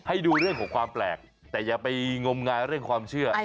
ให้ดูเรื่องของความแปลกแต่อย่าไปงมงายเรื่องความเชื่อ